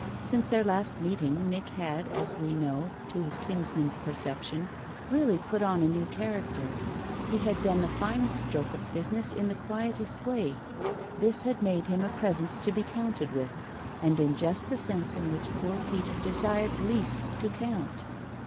Since their last meeting Nick had, as we know, to his kinsman's perception, really put on a new character: he had done the finest stroke of business in the quietest way. This had made him a presence to be counted with, and in just the sense in which poor Peter desired least to count.